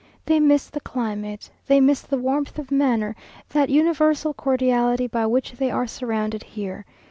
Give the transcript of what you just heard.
They miss the climate they miss that warmth of manner, that universal cordiality by which they are surrounded here.